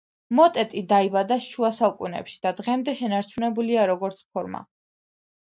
მოტეტი დაიბადა შუასაუკუნეებში და დღემდე შენარჩუნებულია როგორც ფორმა.